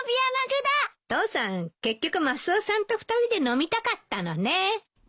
父さん結局マスオさんと２人で飲みたかったのね。